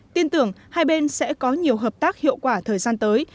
tin tưởng hai bên sẽ có nhiều hợp tác hiệu quả thời gian tới